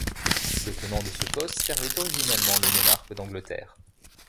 Le tenant de ce poste servait originellement le monarque d'Angleterre.